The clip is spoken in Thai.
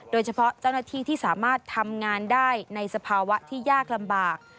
เจ้าหน้าที่ที่สามารถทำงานได้ในสภาวะที่ยากลำบาก